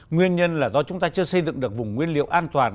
nguyên nhân là do chúng ta chưa xây dựng được vùng nguyên liệu an toàn